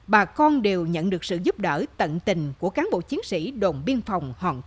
bà con đều nhận được sự giúp đỡ tận tình của cán bộ chiến sĩ đồn biên phòng hòn